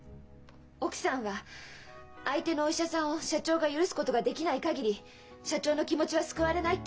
奥さんは「相手のお医者さんを社長が許すことができない限り社長の気持ちは救われない」っておっしゃってました。